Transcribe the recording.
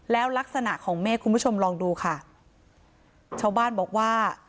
แล้วลักษณะของเมฆคุณผู้ชมลองดูค่ะชาวบ้านบอกว่า